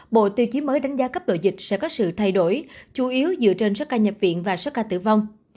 bộ tiêu chí mới đánh giá cấp độ dịch sẽ có sự thay đổi chủ yếu dựa trên số ca nhập viện và số ca tử vong